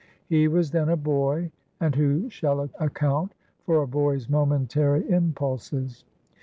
He was then a boy, and who shall account for a boy's momentary impulses?